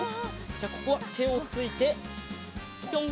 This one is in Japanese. じゃあここはてをついてぴょん。